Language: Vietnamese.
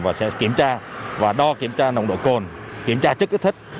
và sẽ kiểm tra và đo kiểm tra nồng độ cồn kiểm tra chất kích thích